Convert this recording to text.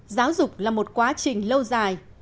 giáo dục là một quá trình lâu dài